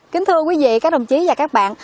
kính thưa quý vị các đồng chí và các bạn